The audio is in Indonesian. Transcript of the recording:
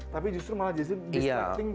tapi justru malah justru distracting pada